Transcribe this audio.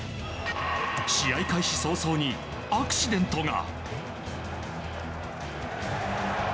試合開始早々に、アクシデントが。